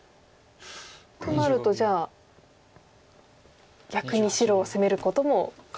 となるとじゃあ逆に白を攻めることも考えられますか。